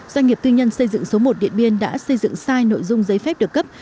doanh nghiệp tư nhân xây dựng số một điện biên đã xây dựng sai nội dung giấy phép được cấp